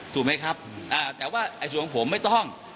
ถูกไหมครับแต่ว่าส่วนของผมไม่ต้อง